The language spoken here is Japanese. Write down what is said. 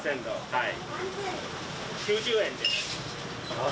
はい！